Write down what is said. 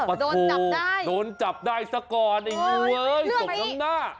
โอ้โธโดนจับได้สักก่อนไอ้งูเฮ้ยตรงข้างหน้าโอ้โธ